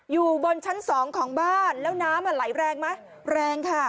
อยู่บนชั้นสองของบ้านแล้วน้ำไหลแรงไหมแรงค่ะ